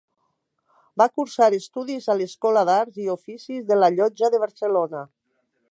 Va cursar estudis a l'Escola d’Arts i Oficis de la Llotja de Barcelona.